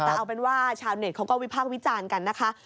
แต่เอาเป็นว่าชาวเน็ตเขาก็วิพากษ์วิจารณ์กันนะคะ